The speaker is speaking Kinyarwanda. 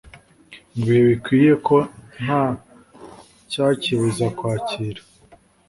mu bihe bikwiye ko nta cyakibuza kwakirwa.